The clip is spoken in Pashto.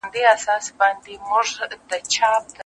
هم په لستوڼي هم په ګېډه کي ماران لویوي